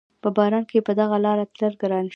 په باران کښې په دغه لاره تلل ګران شي